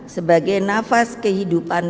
sebagai nafas kehidupan